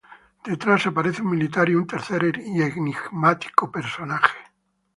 Detrás aparece un militar y un tercer enigmático personaje.